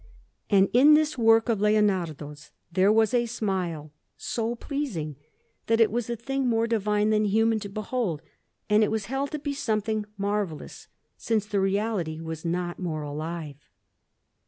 And in this work of Leonardo's there was a smile so pleasing, that it was a thing more divine than human to behold; and it was held to be something marvellous, since the reality was not more alive.